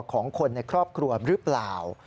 ของคนในครอบครัวหรือเปล่า